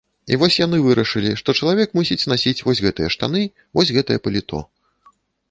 І вось яны вырашылі, што чалавек мусіць насіць вось гэтыя штаны, вось гэтае паліто.